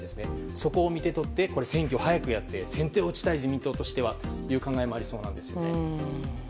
そこを見て取って選挙を早くやって先手を打ちたいという考えもあるそうなんですね。